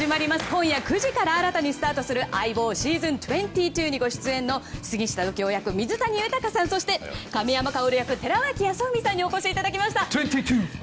今夜９時から新たにスタートする「相棒シーズン２２」にご出演中の杉下右京役、水谷豊さんそして亀山薫役、寺脇康文さんにお越しいただきました。